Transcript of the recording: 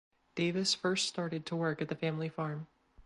Davis first started to work at the family farm.